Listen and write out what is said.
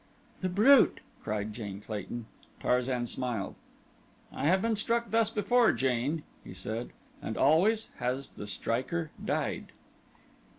"The brute!" cried Jane Clayton. Tarzan smiled. "I have been struck thus before, Jane," he said, "and always has the striker died."